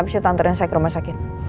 abis itu antren saya ke rumah sakit